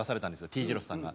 Ｔ字路ｓさんが。